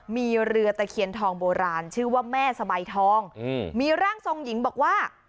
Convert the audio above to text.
มีเรือตะเคียนทองโบราณชื่อว่าแม่สบายทองมีร่างทรงหญิงบอกว่า